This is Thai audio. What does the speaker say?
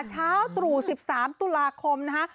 เช้าตรู่๑๓ตุลาคมนะคะ